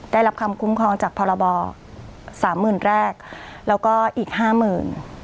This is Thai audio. ได้รับคำคุ้มครองจากพรบสามหมื่นแรกแล้วก็อีกห้าหมื่น